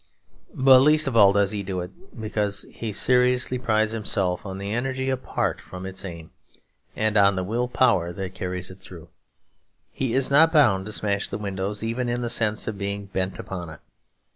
But least of all does he do it because he seriously prides himself on the energy apart from its aim, and on the will power that carries it through. He is not 'bound' to smash the windows, even in the sense of being bent upon it.